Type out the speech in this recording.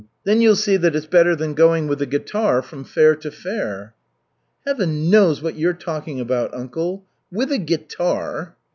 Then you'll see that it's better than going with a guitar from fair to fair." "Heaven knows what you're talking about, uncle. 'With a guitar!'"